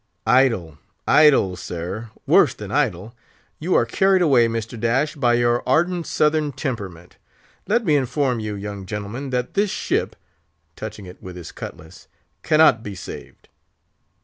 "Idle, idle, sir! worse than idle! you are carried away, Mr. Dash, by your ardent Southern temperament! Let me inform you, young gentlemen, that this ship," touching it with his cutlass, "cannot be saved."